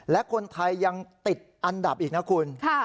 และคนไทยยังติดอันดับอีกนะคุณ